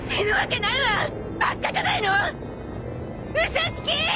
嘘つき！